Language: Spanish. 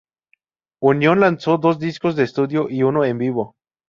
Union lanzó dos discos de estudio y uno en vivo.